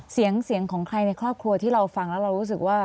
เสียงเสียงของใครในครอบครัวที่เราฟังแล้วเรารู้สึกว่า